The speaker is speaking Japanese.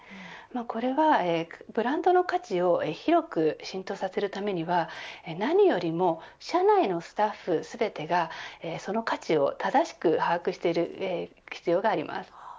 これはブランドの価値を広く浸透させるためには何よりも社内のスタッフ全てがその価値を正しく把握している必要があります。